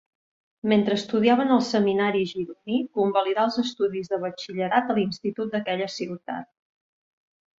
Mentre estudiava en el Seminari gironí, convalidà els estudis de batxillerat a l'Institut d'aquella ciutat.